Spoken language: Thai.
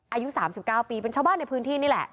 อายุ๓๙ปีเป็นชาวบ้านในพื้นที่นี่แหละ